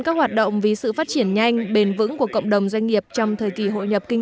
các hoạt động vì sự phát triển nhanh bền vững của cộng đồng doanh nghiệp trong thời kỳ hội nhập kinh